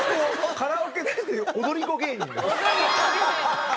カラオケ大好き踊り子芸人？